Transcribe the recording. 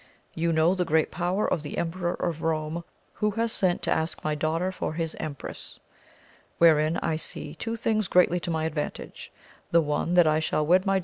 You know the great power of the Emperor of Eome, who has sent to ask my daughter for his empress, wherein I see two things greatly to my advantage ; the one, that I shall wed my